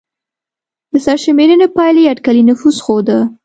د سرشمېرنې پایلې اټکلي نفوس ښوده.